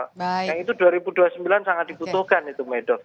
nah itu dua ribu dua puluh sembilan sangat dibutuhkan itu medok